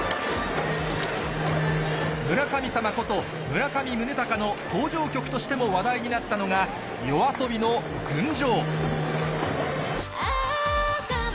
村神様こと村上宗隆の登場曲としても話題になったのが、ＹＯＡＳＯＢＩの群青。